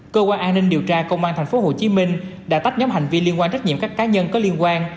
cơ quan an ninh điều tra công an tp hcm đã tách nhóm hành vi liên quan trách nhiệm các cá nhân có liên quan